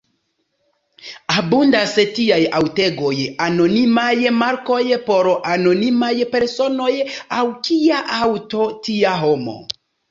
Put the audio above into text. Abundas tiaj aŭtegoj: anonimaj markoj por anonimaj personoj; aŭ, kia aŭto, tia homo.